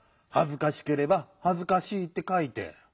はずかしければはずかしいってかいて。